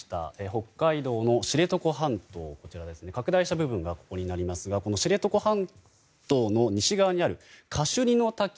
北海道の知床半島拡大した部分がこちらになりますが知床半島の西側にあるカシュニの滝。